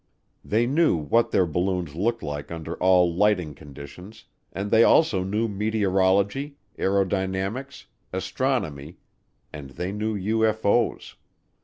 They knew what their balloons looked like under all lighting conditions and they also knew meteorology, aerodynamics, astronomy, and they knew UFO's.